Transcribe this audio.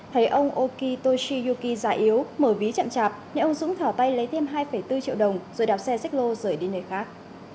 thấy ông okitoshi yuki dài yếu mở ví chậm chạp nhận ông dũng thỏa tay lấy thêm hai bốn triệu đồng rồi đạp xe xích lô rời đi nơi khác